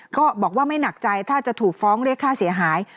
ก็บอกว่าไม่หนักใจถ้าจะถูกฟ้องเรียกค่าเสียหาย